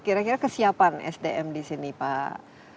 kira kira kesiapan sdm di sini pak